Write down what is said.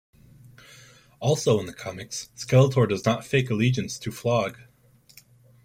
Also in the comics, Skeletor does not fake allegiance to Flogg.